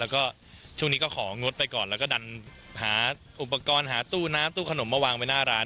แล้วก็ช่วงนี้ก็ของงดไปก่อนแล้วก็ดันหาอุปกรณ์หาตู้น้ำตู้ขนมมาวางไว้หน้าร้าน